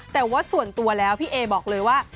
แต่ว่าส่วนตัวแล้วพี่เอบอกเลยว่า